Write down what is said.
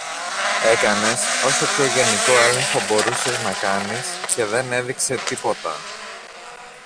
έκανες όσο πιο γενικό έλεγχο μπορούσες να κάνεις και δεν έδειξε τίποτα